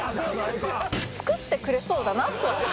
尽くしてくれそうだなとは思う。